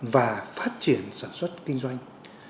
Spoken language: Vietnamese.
và phát triển sản xuất kinh doanh